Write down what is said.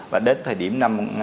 và đến thời điểm năm